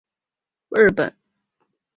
光绪三十二年随父考察日本。